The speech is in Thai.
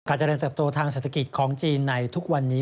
เจริญเติบโตทางเศรษฐกิจของจีนในทุกวันนี้